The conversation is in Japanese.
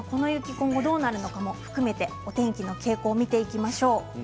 今後どうなるのかを含めてお天気の傾向を見ていきましょう。